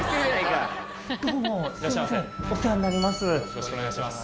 よろしくお願いします。